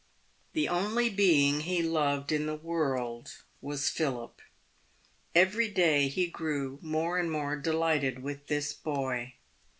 The only being he loved in the world was Philip. Every day he grew more and more delighted with his boy.